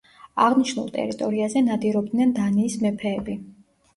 აღნიშნულ ტერიტორიაზე ნადირობდნენ დანიის მეფეები.